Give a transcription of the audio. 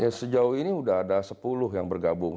ya sejauh ini sudah ada sepuluh yang bergabung